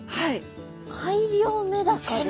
改良メダカですか？